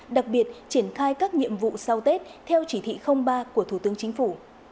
đặc biệt triển khai các nhiệm vụ sau tết theo chỉ thị ba của thủ tướng chính phủ